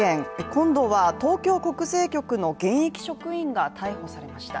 今度は東京国税局の現役職員が逮捕されました。